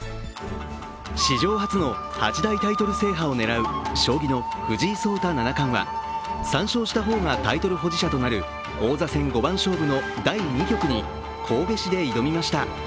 史上初の八大タイトル制覇を狙う将棋の藤井聡太七冠は３勝した方がタイトル保持者となる王座戦第２局に神戸市で挑みました。